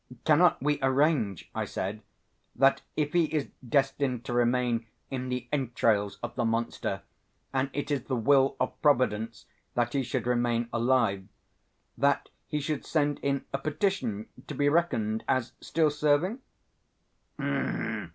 "Cannot we arrange," I said, "that if he is destined to remain in the entrails of the monster and it is the will of Providence that he should remain alive, that he should send in a petition to be reckoned as still serving?"